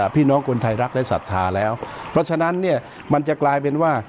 พี่น้องคนไทยรักได้ศรัทธาแล้วเพราะฉะนั้นเนี่ยมันจะกลายเป็นว่า